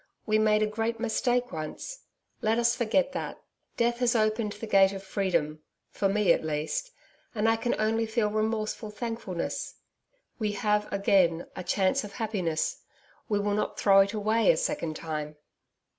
We made a great mistake once. Let us forget that. Death has opened the gate of freedom for me, at least and I can only feel remorseful thankfulness. We have again a chance of happiness. We will not throw it away a second time.'